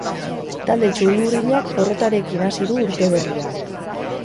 Talde txuri-urdinak porrotarekin hasi du urte berria.